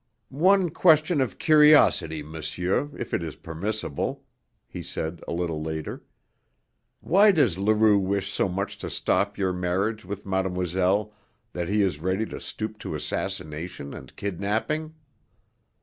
"One question of curiosity, monsieur, if it is permissible," he said a little later. "Why does Leroux wish so much to stop your marriage with mademoiselle that he is ready to stoop to assassination and kidnapping?"